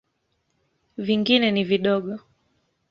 Vingine ni vidogo.